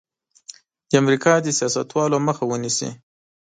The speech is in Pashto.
د امریکا د سیاستوالو مخه ونیسي.